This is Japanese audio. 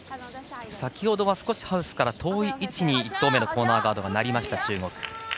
先ほどは少しハウスより遠い位置に１投目のコーナーガードとなった中国。